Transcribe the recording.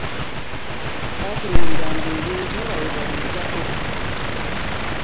Baatunuuliranga ebintu nga bwe babiyitako.